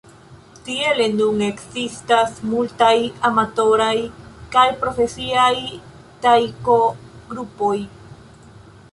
Tiele nun ekzistas multaj amatoraj kaj profesiaj Taiko-grupoj.